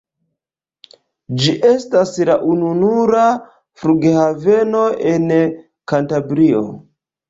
Ĝi estas la ununura flughaveno en Kantabrio.